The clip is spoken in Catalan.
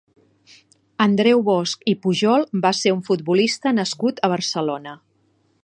Andreu Bosch i Pujol va ser un futbolista nascut a Barcelona.